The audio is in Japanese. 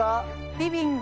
リビング